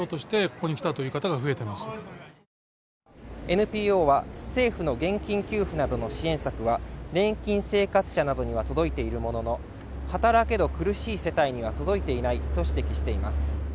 ＮＰＯは、政府の現金給付などの支援策は、年金生活者などには届いているものの、働けど苦しい世帯には届いていないと指摘しています。